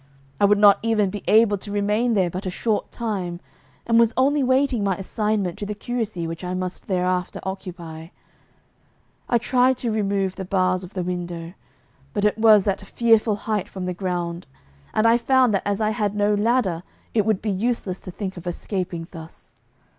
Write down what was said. I would not even be able to remain there but a short time, and was only waiting my assignment to the curacy which I must thereafter occupy. I tried to remove the bars of the window; but it was at a fearful height from the ground, and I found that as I had no ladder it would be useless to think of escaping thus.